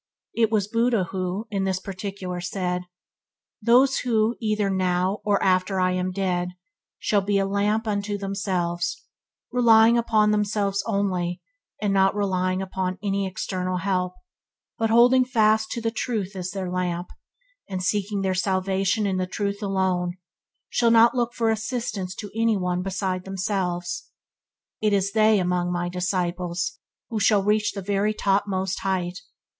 It was Buddha who, I this particular, said; "Those who, either now or after I am dead, shall be a lamp unto themselves, relying upon them selves only and not relying upon any external help, but holding fast to the truth as their lamp, and seeking their salvation in the truth alone, shall not look for assistance to any one beside themselves, it is they, among my disciples, who shall reach the very top mist height.